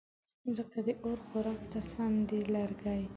ځکه د اور خوراک ته سم دي لرګې